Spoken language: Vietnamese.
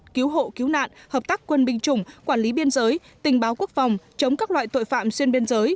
cứu hộ cứu nạn hợp tác quân binh chủng quản lý biên giới tình báo quốc phòng chống các loại tội phạm xuyên biên giới